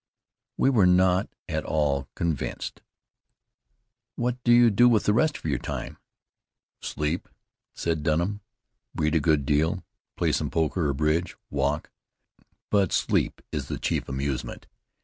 We were not at all convinced. "What do you do with the rest of your time?" "Sleep," said Dunham. "Read a good deal. Play some poker or bridge. Walk. But sleep is the chief amusement.